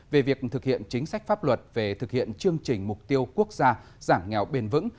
về việc thực hiện chính sách pháp luật về thực hiện chương trình mục tiêu quốc gia giảm nghèo bền vững